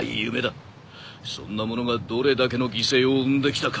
そんなものがどれだけの犠牲を生んできたか？